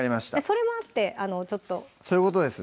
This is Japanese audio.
それもあってちょっとそういうことですね